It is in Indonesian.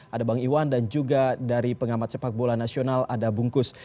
ada bang iwan dan juga dari pengamat sepak bola nasional ada bungkus